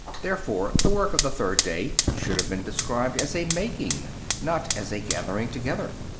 Therefore the work of the third day should have been described as a making not as a gathering together.